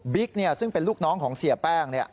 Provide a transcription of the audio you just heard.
ซึ่งเป็นลูกน้องของเสียแป้ง